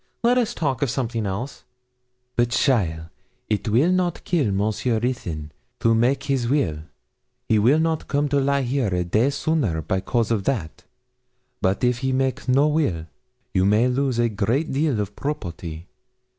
Let us talk of something else.' 'But, cheaile, it will not kill Monsieur Ruthyn to make his will; he will not come to lie here a day sooner by cause of that; but if he make no will, you may lose a great deal of the property.